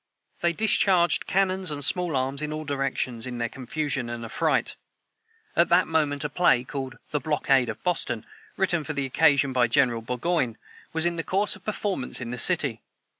They discharged cannons and small arms in all directions, in their confusion and affright. At that moment a play, called "The Blockade of Boston," written for the occasion by General Burgoyne, was in course of performance in the city.